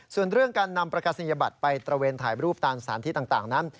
ส่วนเรื่องการนำประกาศนียบัตรไปตระเวนถ่ายรูปตามสถานที่ต่างนั้น